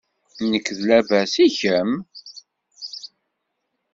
Nekk labas, i kemm?